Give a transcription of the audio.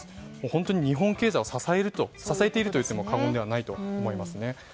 本当に日本経済を支えているといっても過言ではないですね。